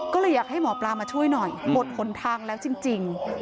ก็เลยอยากให้หมอปลามาช่วยหน่อยหมดหนทางแล้วจริง